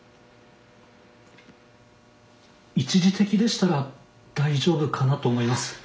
一時的でしたら大丈夫かなと思います。